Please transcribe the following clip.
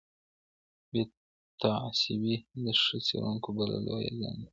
بې تعصبي د ښه څېړونکي بله لویه ځانګړتیا ده.